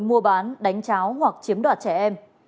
mua bán đánh cháo hoặc chiếm đoạt trẻ em